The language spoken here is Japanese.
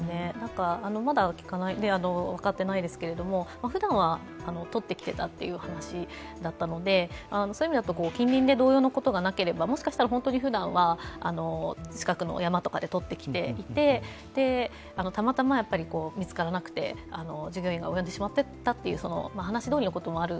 まだ分かっていないですがふだんは取ってきていたという話だったのでそういう意味だと、近隣で同様のことがなければふだんは、近くの山とかで取ってきていて、たまたま見つからなくて、従業員が及んでしまっていたという話どおりのこともある